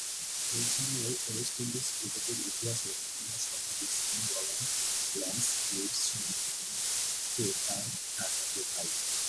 এছাড়াও West Indies ক্রিকেটের ইতিহাসে অন্যতম সফল স্পিন বোলার ল্যান্স গিবস সম্পর্কে তার কাকাতো ভাই।